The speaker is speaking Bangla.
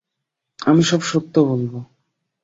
আমি সব সত্য বলব!